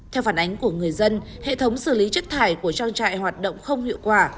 theo phản ánh của người dân hệ thống xử lý chất thải của trang trại hoạt động không hiệu quả